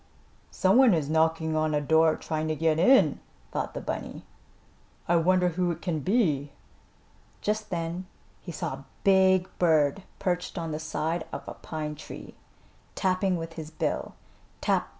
Some one is knocking on a door trying to get in," thought the bunny. "I wonder who it can be?" Just then he saw a big bird perched on the side of a pine tree, tapping with his bill. "Tap!